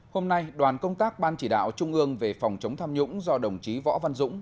hôm nay đoàn công tác ban chỉ đạo trung ương về phòng chống tham nhũng do đồng chí võ văn dũng